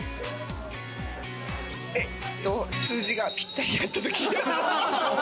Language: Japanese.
数字がぴったり合ったとき。